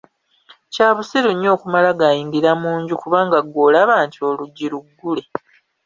Kya busiru nnyo okumala gayingira mu nju kubanga ggwe olaba nti oluggi luggule.